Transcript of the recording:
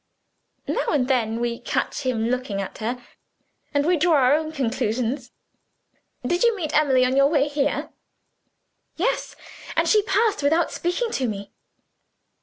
Now and then we catch him looking at her and we draw our own conclusions." "Did you meet Emily on your way here?" "Yes, and she passed without speaking to me."